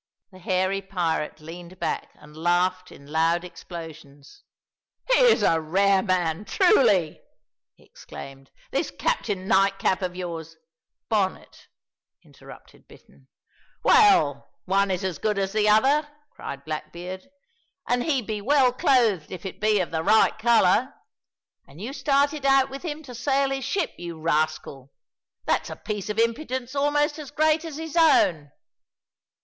The hairy pirate leaned back and laughed in loud explosions. "He is a rare man, truly," he exclaimed, "this Captain Nightcap of yours " "Bonnet," interrupted Bittern. "Well, one is as good as the other," cried Blackbeard, "and he be well clothed if it be of the right colour. And you started out with him to sail his ship, you rascal? That's a piece of impudence almost as great as his own."